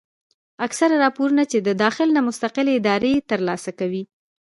اکثره راپورنه چې د داخل نه مستقلې ادارې تر لاسه کوي